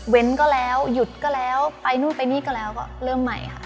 ก็แล้วหยุดก็แล้วไปนู่นไปนี่ก็แล้วก็เริ่มใหม่ค่ะ